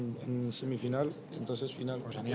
mereka menyebutkan film lain